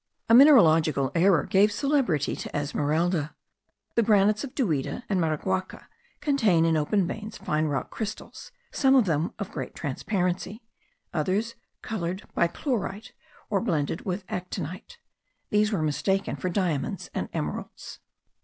A mineralogical error gave celebrity to Esmeralda. The granites of Duida and Maraguaca contain in open veins fine rock crystals, some of them of great transparency, others coloured by chlorite or blended with actonite; these were mistaken for diamonds and emeralds.